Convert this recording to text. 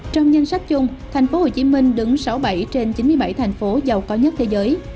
trong danh sách chung thành phố hồ chí minh đứng sáu bảy trên chín mươi bảy thành phố giàu có nhất thế giới